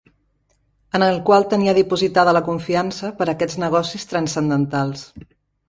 ...en el qual tenia dipositada la confiança per a aquests negocis transcendentals.